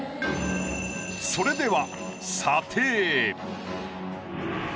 それでは。